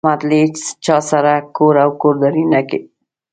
احمد له هيچا سره کور او کورداري نه کوي.